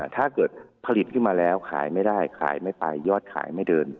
ถ้าเกิดผลิตขึ้นมาแล้วขายไม่ได้ขายไม่ไปยอดขายไม่เดิน